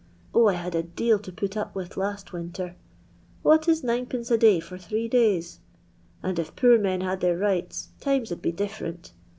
0, I had a deal to put op with last winter. What is 9d. a day for three days ? and if poor men had their rights, times 'ud be different.